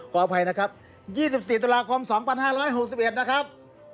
ขออภัยนะครับ๒๔ตุลาคม๒๕๖๑นะครับ